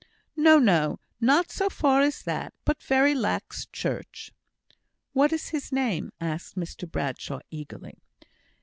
"No, no! Not so far as that. But very lax Church." "What is his name?" asked Mr Bradshaw, eagerly.